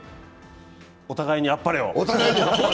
お互いにあっぱれを。